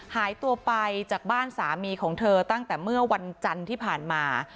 หายตัวไปจากบ้านสามีของเธอตั้งแต่เมื่อวันจันทร์ที่ผ่านมา